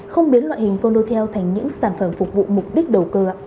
không biến loại hình condo theo thành những sản phẩm phục vụ mục đích đầu cơ